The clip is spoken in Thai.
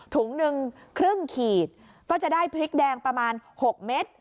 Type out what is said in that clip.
ถุงหนึ่งครึ่งขีดก็จะได้พริกแดงประมาณ๖เม็ด